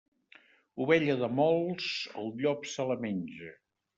Ovella de molts, el llop se la menja.